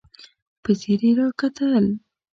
په ځير يې راکتل.